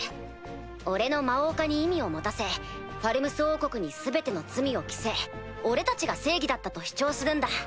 俺の魔王化に意味を持たせファルムス王国に全ての罪を着せ俺たちが正義だったと主張するんだ。